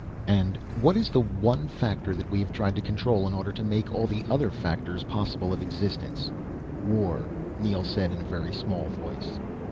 "And what is the one factor that we have tried to control in order to make all the other factors possible of existence?" "War." Neel said, in a very small voice.